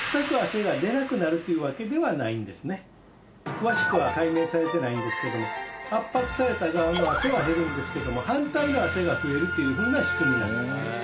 詳しくは解明されてないんですけども圧迫された側の汗は減るんですけども反対の汗が増えるというふうな仕組み。